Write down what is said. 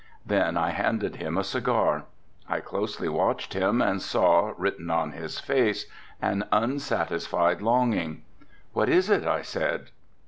Then I handed him a cigar. I closely watched him and saw, written on his face an unsatisfied longing. "What is it?" I said.